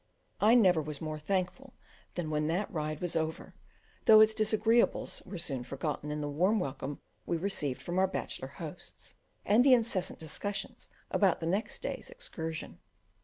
I never was more thankful than when that ride was over, though its disagreeables were soon forgotten in the warm welcome we received from our bachelor hosts, and the incessant discussions about the next day's excursion.